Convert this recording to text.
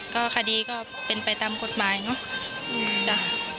ก็คดีก็เป็นไปตามกฎหมายเนอะจ้ะ